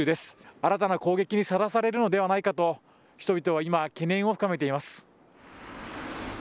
新たな攻撃にさらされるのではないかと、人々は今、懸念を深めています。